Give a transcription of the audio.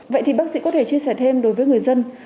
vậy thì bác sĩ có thể chia sẻ thêm đối với người dân